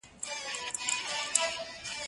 زه پرون مينه څرګنده کړه،